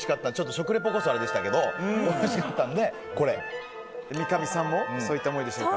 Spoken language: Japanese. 食リポこそあれでしたけど三上さんもそういった思いでしょうか。